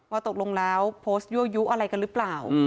ว่าตกลงแล้วโพสต์ยั่วยุอะไรกันหรือเปล่า